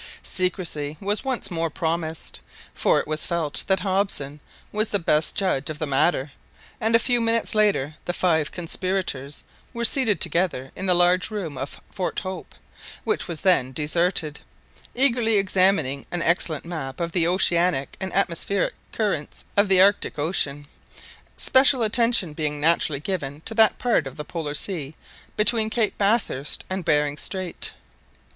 Secrecy was once more promised, for it was felt that Hobson was the best judge of the matter, and a few minutes later the five conspirators were seated together in the large room of Fort Hope, which was then deserted, eagerly examining an excellent map of the oceanic and atmospheric currents of the Arctic Ocean, special attention being naturally given to that part of the Polar Sea between Cape Bathurst and Behring Strait.